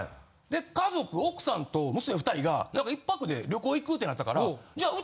で家族奥さんと娘２人がなんか１泊で旅行行くってなったから。